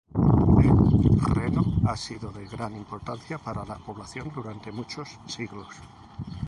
El reno ha sido de gran importancia para la población durante muchos siglos.